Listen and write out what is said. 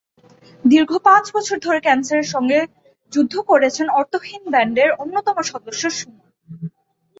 দীর্ঘ পাঁচ বছর ধরে ক্যানসারের সঙ্গে যুদ্ধ করছেন অর্থহীন ব্যান্ডের অন্যতম সদস্য সুমন।